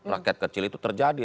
rakyat kecil itu terjadi